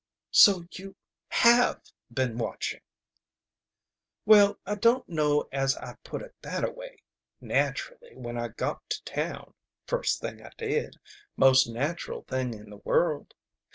"So you have been watching." "Well, I don't know as I'd put it thataway. Naturally, when I got to town first thing I did most natural thing in the world.